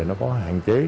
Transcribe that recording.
nó có hạn chế